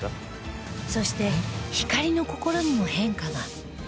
そしてひかりの心にも変化が